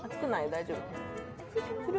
大丈夫？